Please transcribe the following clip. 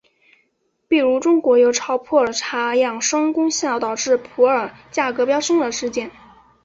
譬如中国有炒作普洱茶养生功效导致普洱价格飙升的事件。